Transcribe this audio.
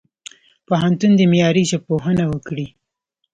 پوهنتون دي معیاري ژبپوهنه وکړي.